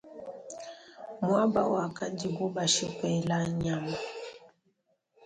Muaba wakadibu bashipela nyama.